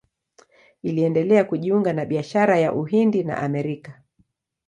Iliendelea kujiunga na biashara ya Uhindi na Amerika.